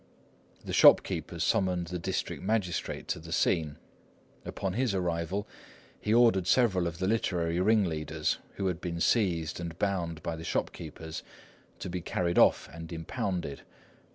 The shopkeepers summoned the district magistrate to the scene. Upon his arrival he ordered several of the literary ringleaders, who had been seized and bound by the shopkeepers, to be carried off and impounded.